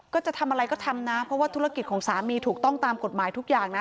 จะทำอะไรก็ทำนะเพราะว่าธุรกิจของสามีถูกต้องตามกฎหมายทุกอย่างนะ